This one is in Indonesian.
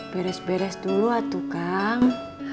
beres beres dulu tukang